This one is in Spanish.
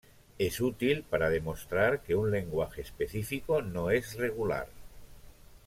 Es útil para demostrar que un lenguaje específico no es regular.